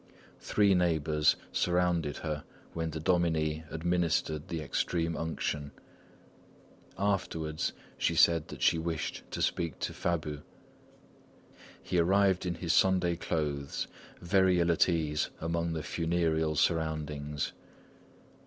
Three neighbours surrounded her when the dominie administered the Extreme Unction. Afterwards she said that she wished to speak to Fabu. He arrived in his Sunday clothes, very ill at ease among the funereal surroundings.